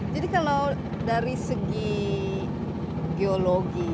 jadi kalau dari segi geologi